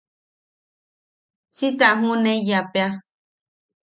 Si ta juʼuneiyapea.